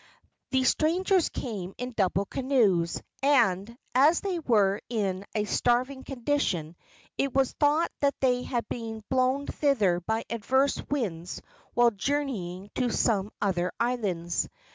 The strangers came in double canoes, and, as they were in a starving condition, it was thought that they had been blown thither by adverse winds while journeying to some other islands.